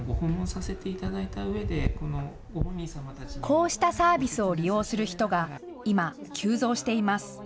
こうしたサービスを利用する人が今、急増しています。